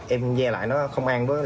em ve lại nó không ăn